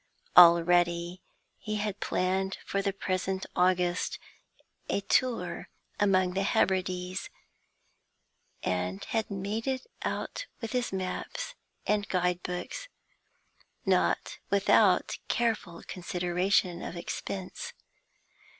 Already he had planned for the present August a tour among the Hebrides, and had made it out with his maps and guidebooks, not without careful consideration of expense.